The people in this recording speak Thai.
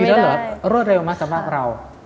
๗ปีแล้วเหรอรวดเร็วมากเรา